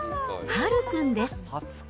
はるくんです。